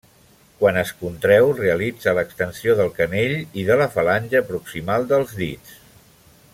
Quan es contreu realitza l'extensió del canell i de la falange proximal dels dits.